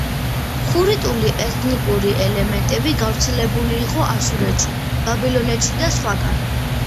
ხურიტული ეთნიკური ელემენტი გავრცელებული იყო ასურეთში, ბაბილონეთში და სხვაგან.